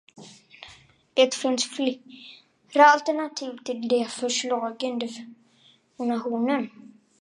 Det finns flera alternativ till den föreslagna definitionen.